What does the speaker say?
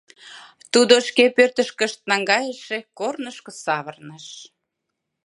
Тудо шке пӧртышкышт наҥгайыше корнышко савырныш...